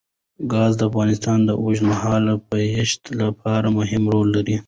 ګاز د افغانستان د اوږدمهاله پایښت لپاره مهم رول لري.